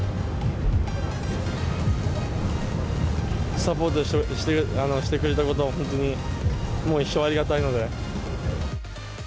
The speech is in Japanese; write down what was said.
サポートしてくれたことが、本当にもう一生ありがたいので。